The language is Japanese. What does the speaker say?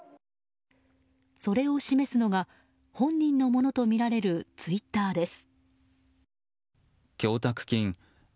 それを示すのが本人のものとみられるツイッターです。